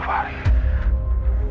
gue akan pastikan